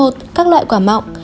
một các loại quả mọng